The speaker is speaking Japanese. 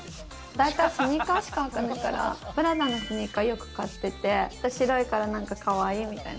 だいたいスニーカーしか履かないからプラダのスニーカーよく買ってて、白いから、かわいいみたいな。